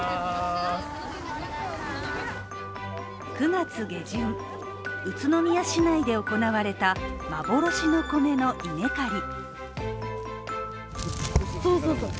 ９月下旬、宇都宮市内で行われた幻の米の稲刈り。